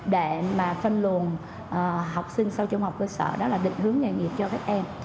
để mà phân luồn học sinh sau trung học cơ sở đó là định hướng nghề nghiệp cho các em